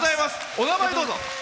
お名前、どうぞ。